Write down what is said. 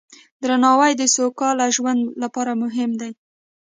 درناوی د سوکاله ژوند لپاره مهم دی.